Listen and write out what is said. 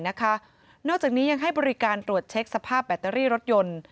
นอกจากนี้ยังให้บริการตรวจเช็คสภาพแบตเตอรี่รถยนต์